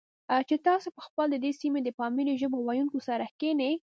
چې تاسې په خپله د دې سیمې د پامیري ژبو ویونکو سره کښېنئ،